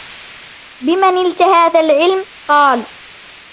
بِمَ نِلْت هَذَا الْعِلْمَ ؟ قَالَ